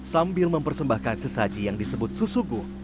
sambil mempersembahkan sesaji yang disebut susuguh